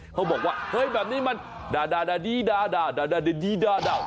เขาบอกว่าเฮ้ยแบบนี้มันดาดีดาดาดีดา